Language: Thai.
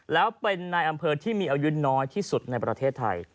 แล้วเป็นนายอำเภอที่มีอายุน้อยที่สุดในประเทศไทย